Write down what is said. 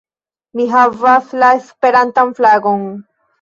Mi havas la Esperantan flagon!